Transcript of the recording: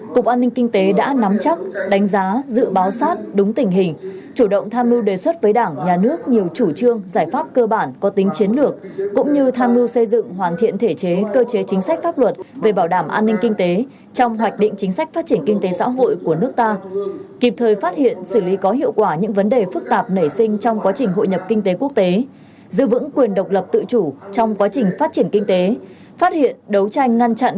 cục an ninh kinh tế đã nắm chắc đánh giá dự báo sát đúng tình hình chủ động tham mưu đề xuất với đảng nhà nước nhiều chủ trương giải pháp cơ bản có tính chiến lược cũng như tham mưu xây dựng hoàn thiện thể chế cơ chế chính sách pháp luật về bảo đảm an ninh kinh tế trong hoạch định chính sách phát triển kinh tế xã hội của nước ta kịp thời phát hiện xử lý có hiệu quả những vấn đề phức tạp nảy sinh trong quá trình hội nhập kinh tế quốc tế giữ vững quyền độc lập tự chủ trong quá trình phát triển kinh tế phát hiện